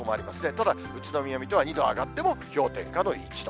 ただ、宇都宮、水戸は２度上がっても氷点下の１度。